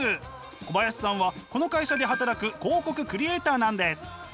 小林さんはこの会社で働く広告クリエーターなんです。